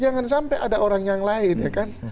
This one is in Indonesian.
jangan sampai ada orang yang lain ya kan